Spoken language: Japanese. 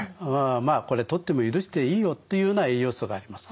「まあこれとっても許していいよ」っていうような栄養素があります。